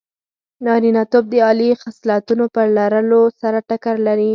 نارینتوب د عالي خصلتونو په لرلو سره ټکر لري.